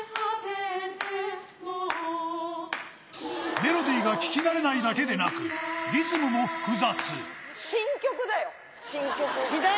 メロディーが聴きなれないだけでなく、リズムも複雑。